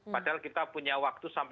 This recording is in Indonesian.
padahal kita punya waktu sampai